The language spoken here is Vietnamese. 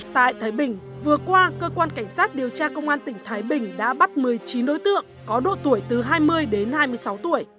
tại thái bình vừa qua cơ quan cảnh sát điều tra công an tỉnh thái bình đã bắt một mươi chín đối tượng có độ tuổi từ hai mươi đến hai mươi sáu tuổi